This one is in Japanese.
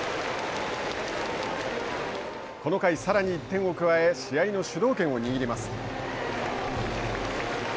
この回さらに１点を加え試合の主導権を握ります。